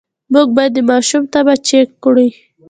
مور باید د ماشوم تبه چیک کړي۔